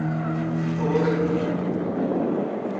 প্রভাত কি নিকটবর্তী নয়?